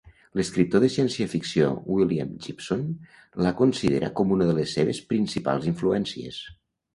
L'escriptor de ciència-ficció William Gibson la considera com a una de les seves principals influències.